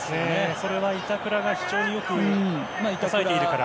それは板倉が非常によく抑えているから。